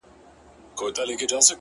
زما په خيال هري انجلۍ ته گوره-